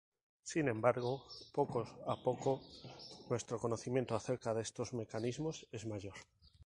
Sin embargo poco a poco nuestro conocimiento acerca de estos mecanismos es mayor.